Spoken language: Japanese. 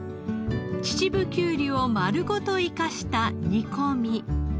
秩父きゅうりを丸ごと生かした煮込み。